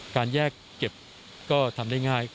การแยกเก็บก็ทำได้ง่าย